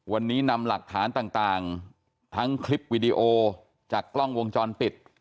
วันนี้นำหลักฐานต่างทั้งคลิปวิดีโอจากกล้องวงจรปิด